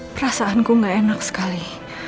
perasaanku gak enak sekali